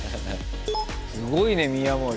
すごいね宮森君。